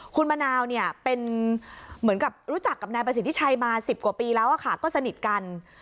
คุณมะนาวเนี่ยเป็นเหมือนกับรู้จักกับนายประสิทธิชัยมา๑๐กว่าปีแล้วก็สนิทกัน